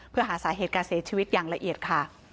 เพื่อหาสาเหตุการเสียชีวิตอย่างละเอียดค่ะ